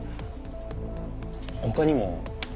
他にも。